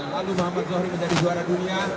lalu muhammad zohri menjadi juara dunia